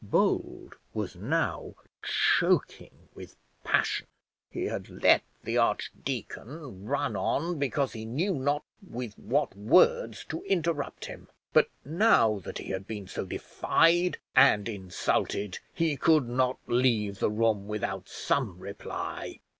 Bold was now choking with passion. He had let the archdeacon run on because he knew not with what words to interrupt him; but now that he had been so defied and insulted, he could not leave the room without some reply.